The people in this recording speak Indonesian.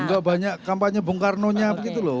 nggak banyak kampanye bung karnonya begitu loh